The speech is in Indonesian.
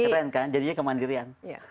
keren kan jadinya kemandirian